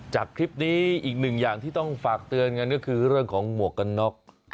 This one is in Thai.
จากคลิปนี้อีกหนึ่งอย่างที่ต้องฝากเตือนกันก็คือเรื่องของหมวกกันน็อก